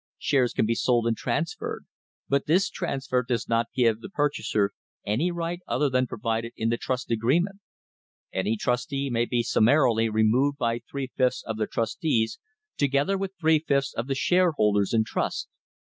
Shares can be sold and transferred, but this transfer does not give the purchaser any right other than provided in the trust agreement. Any trustee may be summarily removed by three fifths of the trustees, together with three fifths of the share THE HISTORY OF THE STANDARD OIL COMPANY holders in trust.